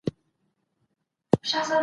ساينس د بهيرونو تشريح کوي.